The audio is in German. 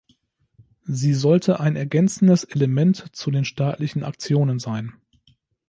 Sie sollte ein ergänzendes Element zu den staatlichen Aktionen sein.